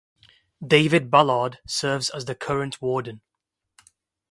David Ballard serves as the current Warden.